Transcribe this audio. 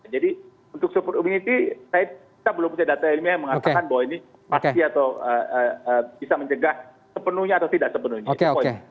jadi untuk super immunity kita belum punya data ilmiah yang mengatakan bahwa ini pasti atau bisa mencegah sepenuhnya atau tidak sepenuhnya